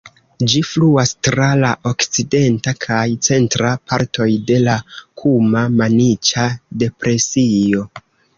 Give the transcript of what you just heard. Ĝi fluas tra la okcidenta kaj centra partoj de la Kuma-Maniĉa depresio.